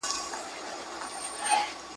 دا کوږ خط دئ.